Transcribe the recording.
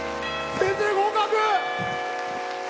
先生、合格！